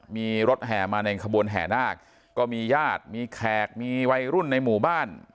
มีรถแห่มาในขบวนแห่นาคก็มีญาติมีแขกมีวัยรุ่นในหมู่บ้าน